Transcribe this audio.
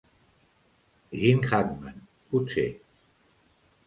Gene Hackman, potser.